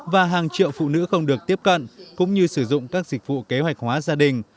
và hàng triệu phụ nữ không được tiếp cận cũng như sử dụng các dịch vụ kế hoạch hóa gia đình